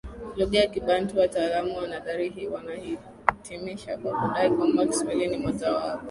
lugha za kibantu Wataalamu wa nadharia hii wanahitimisha kwa kudai kwamba Kiswahili ni mojawapo